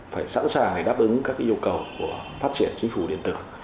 phải sẵn sàng đáp ứng các yêu cầu của phát triển chính phủ điện tử